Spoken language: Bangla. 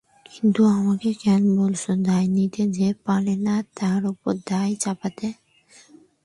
কিন্তু আমাকে কেন বলছ, দায় নিতে যে পারে না তার উপরে দায় চাপাতে।